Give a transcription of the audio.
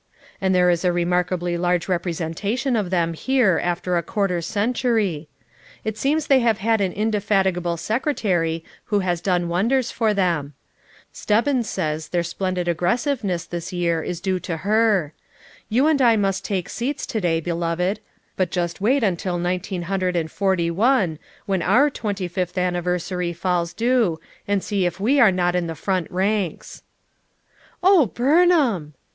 and there is a remarkably large representation of them here after a quar ter century. It seems they have had an inde fatigable secretary who has done wonders for them. Stebbins says their splendid aggres siveness this year is due to her. You and I must take seats to day, beloved, but just wait until nineteen hundred and forty one when our twenty fifth anniversary falls due and see if we are not in the front ranks 1" "Oh, Burnham!"